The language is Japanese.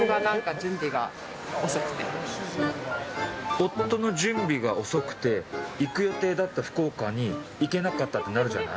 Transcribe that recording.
夫の準備が遅くて行く予定だった福岡に行けなかったってなるじゃない。